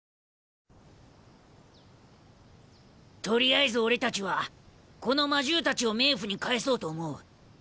取りあえず俺たちはこの魔獣たちを冥府に返そうと思う。